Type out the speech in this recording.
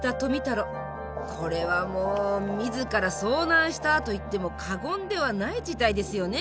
これはもう自ら遭難したと言っても過言ではない事態ですよね？